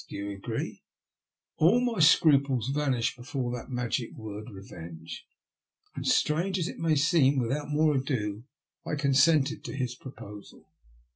Do you agree ?" All my scruples vanished before that magic word revenge, and, strange as it my seem, without more ado I consented to his proposal.